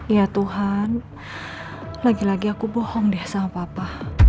ya tuhan lagi lagi aku bohong deh sama papa